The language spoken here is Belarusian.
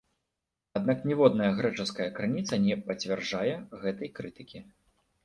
Аднак ніводная грэчаская крыніца не пацвярджае гэтай крытыкі.